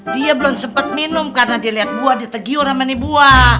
dia belum sempet minum karena dia liat buah di tegi orang mainin buah